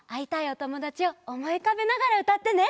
おともだちをおもいうかべながらうたってね！